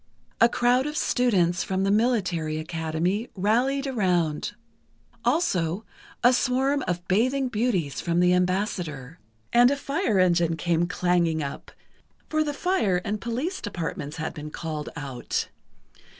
A crowd of students from the Military Academy rallied around; also, a swarm of "bathing beauties" from the Ambassador, and a fire engine came clanging up, for the Fire and Police Departments had been called out.